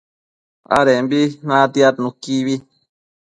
adembi natiad nuquibi